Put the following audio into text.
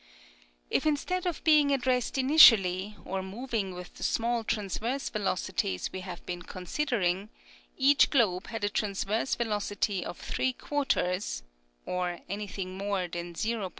" If instead of being at rest initially, or moving with the small transverse velocities we have been considering, each*globe had a transverse velocity of three quarters (or anything more than o.